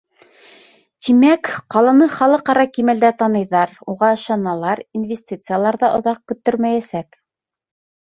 Тимәк, ҡаланы халыҡ-ара кимәлдә таныйҙар, уға ышаналар, инвестициялар ҙа оҙаҡ көттөрмәйәсәк.